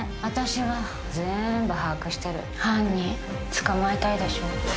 私は全部把握してる犯人捕まえたいでしょ？